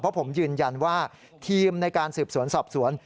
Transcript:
เพราะผมยืนยันว่าทีมในการสืบสวนสอบสวน